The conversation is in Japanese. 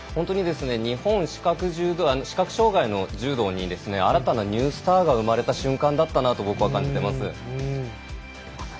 日本視覚障がいの柔道に新たなニュースターが生まれた瞬間だと感じます。